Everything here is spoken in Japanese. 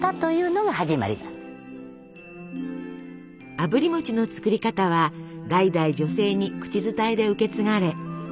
あぶり餅の作り方は代々女性に口伝えで受け継がれ守られてきました。